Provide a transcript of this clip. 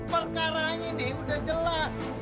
perkara ini udah jelas